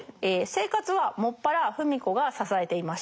生活は専ら芙美子が支えていました。